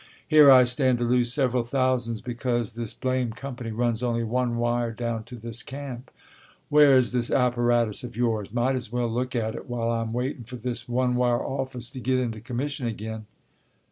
Here I stand to lose several thousands because this blame company runs only one wire down to this camp. Where is this apparatus of yours? Might as well look at it while I'm waiting for this one wire office to get into commission again."